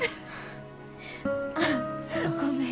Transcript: ああごめん。